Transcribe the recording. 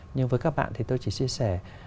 nhưng với các bạn thì tôi chỉ chia sẻ